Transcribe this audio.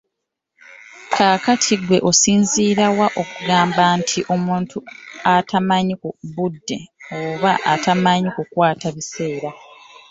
Kaakati ggwe osinziira wa okugamba nti omuntu atamanyi budde oba atamanyi kukwata biseera.